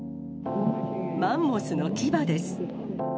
マンモスの牙です。